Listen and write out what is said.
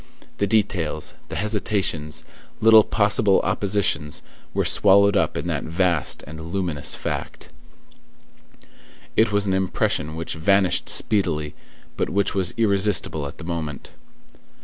The details, the hesitations, little possible oppositions, were swallowed up in that vast and luminous fact. It was an impression which vanished speedily, but which was irresistible at the moment.